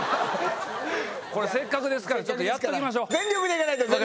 これせっかくですからやっときましょう。